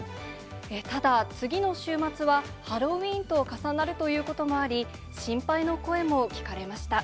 ただ、次の週末は、ハロウィーンと重なるということもあり、心配の声も聞かれました。